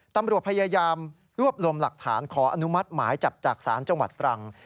ตำรวจพยายามรวบรวมหลักฐานขออนุมัติหมายจับจากศาลจังหวัดตรัง